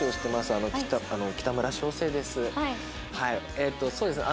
えっとそうですね